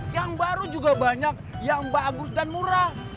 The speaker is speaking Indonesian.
yang baru juga banyak yang bagus dan murah